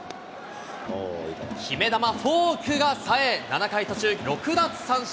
決め球、フォークがさえ、７回途中、６奪三振。